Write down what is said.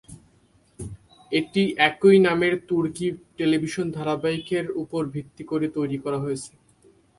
এটি একই নামের তুর্কি টেলিভিশন ধারাবাহিকের উপর ভিত্তি করে তৈরি করা হয়েছে।